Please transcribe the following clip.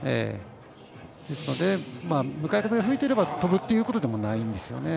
ですので、向かい風が吹いていれば飛ぶということでもないんです。